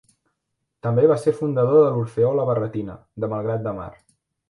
També va ser el fundador de l'Orfeó La Barretina, de Malgrat de Mar.